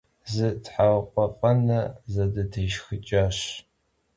Zı therıkhuef 'ene zedıtêşşxıç'aş.